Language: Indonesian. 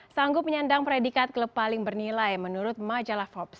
sanggup menyandang predikat klub paling bernilai menurut majalah forbes